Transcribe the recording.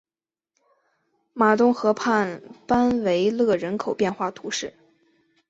马东河畔班维勒人口变化图示